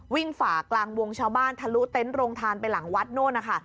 ฝ่ากลางวงชาวบ้านทะลุเต็นต์โรงทานไปหลังวัดโน่นนะคะ